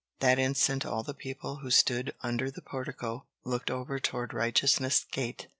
That instant all the people who stood under the portico, looked over toward Righteousness' Gate.